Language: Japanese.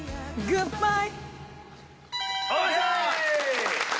「グッバイ」